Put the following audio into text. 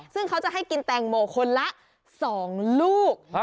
ซึ่งเขาจะให้กินแตงโมคนละ๒ลูก